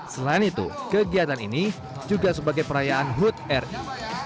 selain itu kegiatan ini juga sebagai perayaan hood r i